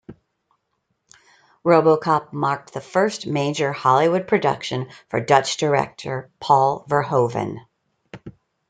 "RoboCop" marked the first major Hollywood production for Dutch director Paul Verhoeven.